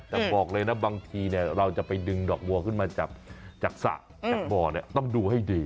แต่บอกเลยนะบางทีเราจะไปดึงดอกบัวขึ้นมาจากสระจากบ่อต้องดูให้ดี